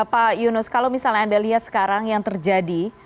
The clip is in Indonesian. pak yunus kalau misalnya anda lihat sekarang yang terjadi